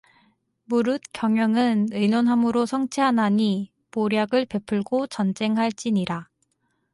무릇 경영은 의논함으로 성취하나니 모략을 베풀고 전쟁할지니라